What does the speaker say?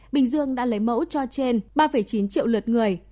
bình dương đã lấy mẫu cho trên ba chín triệu lượt người